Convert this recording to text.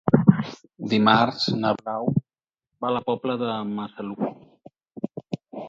Dimarts na Blau va a la Pobla de Massaluca.